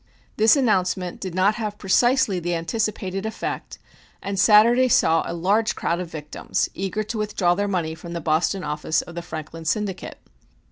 This announcement did not have precisely the anticipated effect, and Saturday saw a large crowd of victims eager to withdraw their money from the Boston office of the Franklin Syndicate.